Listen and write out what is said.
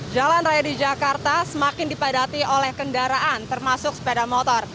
jalan raya di jakarta semakin dipadati oleh kendaraan termasuk sepeda motor